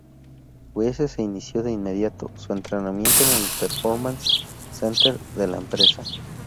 Wiese inició de inmediato su entrenamiento en el performance center de la empresa.